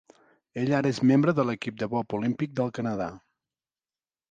Ell ara és membre de l'equip de bob olímpic del Canadà.